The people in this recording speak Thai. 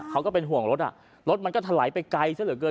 ก็เป็นห่วงรถอ่ะรถรถมันก็ถลายไปไกลซะเหลือเกิน